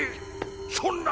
そんな。